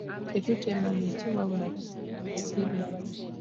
Tetutema miti wabula tusimbe misimbe.